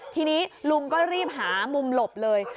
ทีนี้ลุงก็รีบหามุมหลบเลย